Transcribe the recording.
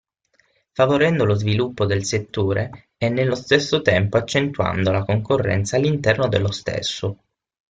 Favorendo lo sviluppo del settore e nello stesso tempo accentuando la concorrenza all'interno dello stesso.